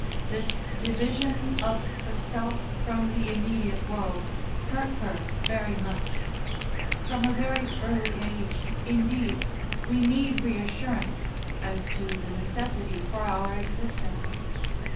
This division of herself from the immediate world hurt her very much. From a very early age, indeed, we need reassurance as to the necessity for our existence.